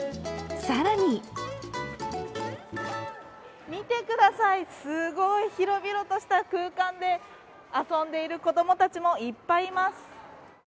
更に見てください、すごい広々とした空間で、遊んでいる子供たちもいっぱいいます。